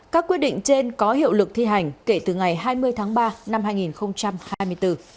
các quyết định trên có hiệu lực thi hành kể từ ngày hai mươi tháng ba năm hai nghìn hai mươi bốn